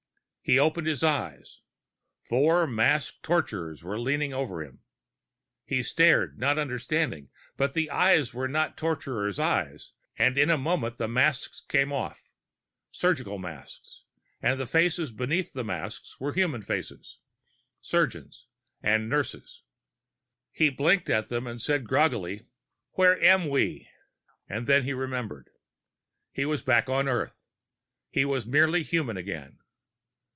He opened his eyes. Four masked torturers were leaning over him. He stared, not understanding; but the eyes were not torturers' eyes, and in a moment the masks came off. Surgical masks and the faces beneath the masks were human faces. Surgeons and nurses. He blinked at them and said groggily: "Where am we?" And then he remembered. He was back on Earth; he was merely human again.